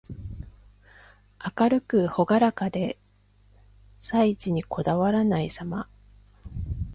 明るくほがらかで、細事にこだわらないさま。